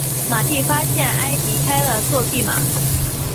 马蒂发现埃迪开了作弊码。